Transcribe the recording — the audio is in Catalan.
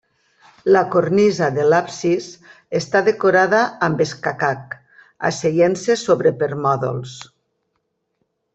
La cornisa de l'absis està decorada amb escacat, asseient-se sobre permòdols.